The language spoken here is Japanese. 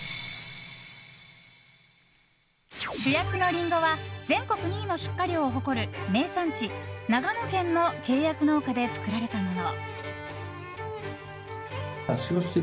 主役のリンゴは全国２位の出荷量を誇る名産地長野県の契約農家で作られたもの。